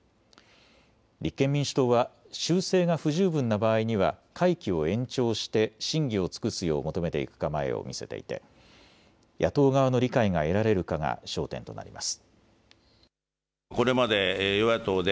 立憲民主党は修正が不十分な場合には会期を延長して審議を尽くすよう求めていく構えを見せていて野党側の理解が得られるかが焦点となります。